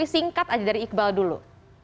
singkat aja dari iqbal dulu